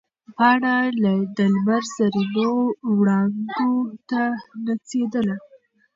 پاڼه د لمر زرینو وړانګو ته نڅېدله.